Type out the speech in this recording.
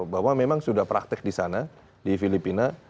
bahwa memang sudah praktek di sana di filipina